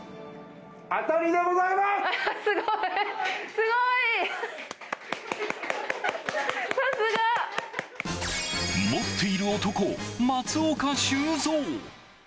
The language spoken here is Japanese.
すごい！持っている男、松岡修造。